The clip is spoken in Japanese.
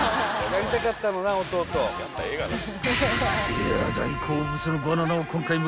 ［いや大好物のバナナを今回もゲット］